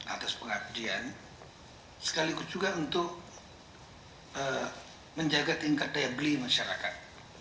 atas pengabdian sekaligus juga untuk menjaga tingkat daya beli masyarakat